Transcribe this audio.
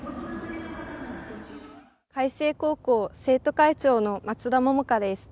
海星高校生徒会長の松田百叶です。